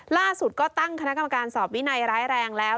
ล่าสุดก็ตั้งคณะกรรมการสอบวินัยร้ายแรงแล้ว